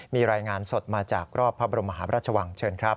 มีรายงานสดมาจากรอบพระบรมหาพระราชวังเชิญครับ